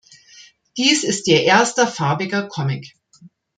Dies ist ihr erster farbiger Comic.